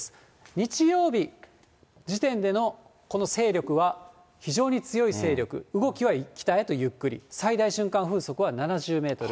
日曜日時点でのこの勢力は非常に強い勢力、動きは北へとゆっくり、最大瞬間風速は７０メートル。